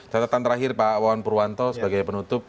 catatan terakhir pak wawan purwanto sebagai penutup